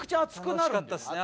楽しかったですね